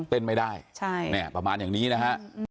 ไม่ได้ประมาณอย่างนี้นะฮะ